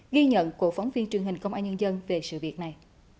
ghi nhận của phóng viên truyền hình công an nhân dân về sự việc này